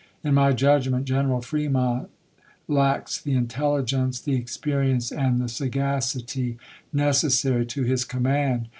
In my judgment General Fremont lacks the intelligence, the experience, and the sagacity necessary to his command.